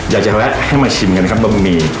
อยากจะแวะให้มาชิมกันครับบะหมี่